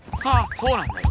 そうなんだよ！